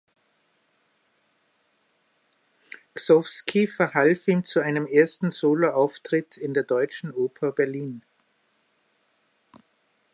Gsovsky verhalf ihm zu einem ersten Soloauftritt in der Deutschen Oper Berlin.